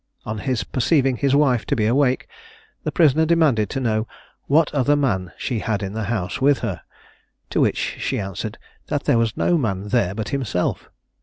On his perceiving his wife to be awake, the prisoner demanded to know "what other man she had in the house with her;" to which she answered "that there was no man there but himself."